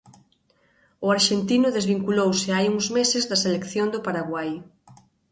O arxentino desvinculouse hai uns meses da selección do Paraguai.